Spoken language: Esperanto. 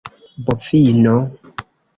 bovino